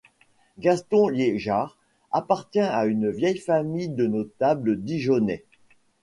Gaston Liégeard appartient à une vieille famille de notables dijonnais.